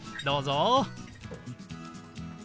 どうぞ。